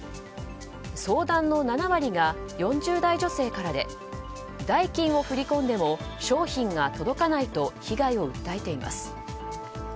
相談の７割が４０代女性からで代金を振り込んでも商品が届かないと被害を訴えています。